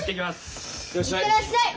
行ってらっしゃい！